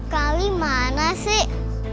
kali mana sih